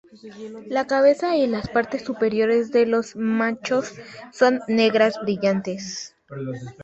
La cabeza y las partes superiores de los machos son negras brillantes.